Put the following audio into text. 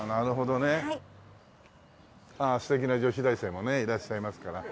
あっ素敵な女子大生もねいらっしゃいますから。